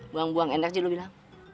buang buang energi lo bilang